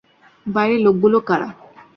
বাইরের লোকগুলো কারা?